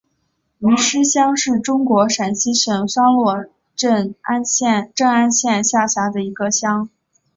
余师乡是中国陕西省商洛市镇安县下辖的一个乡。